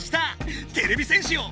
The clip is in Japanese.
てれび戦士よ！